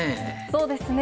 そうですね。